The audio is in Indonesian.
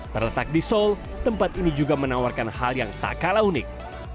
terletak di seoul tempat ini juga menawarkan hal yang tak kalah unik